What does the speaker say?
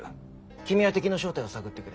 君は敵の正体を探ってくれ。